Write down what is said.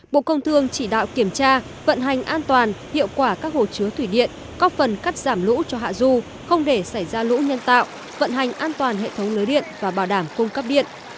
bộ công thương chỉ đạo kiểm tra vận hành an toàn hiệu quả các hồ chứa thủy điện có phần cắt giảm lũ cho hạ du không để xảy ra lũ nhân tạo vận hành an toàn hệ thống lưới điện và bảo đảm cung cấp điện